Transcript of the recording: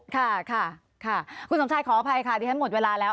ค่ะค่ะคุณสมชายขออภัยค่ะดิฉันหมดเวลาแล้ว